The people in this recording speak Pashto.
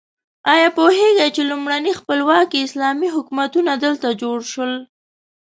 ایا پوهیږئ چې لومړني خپلواکي اسلامي حکومتونه دلته جوړ شول؟